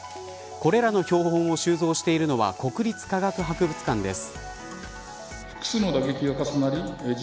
これらの標本を収蔵しているのは国立科学博物館です。